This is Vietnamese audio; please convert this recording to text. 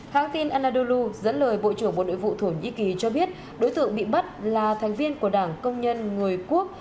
hãng tin anadolu dẫn lời bộ trưởng bộ nội vụ thổ nhĩ kỳ cho biết đối tượng bị bắt là thành viên của đảng công nhân người quốc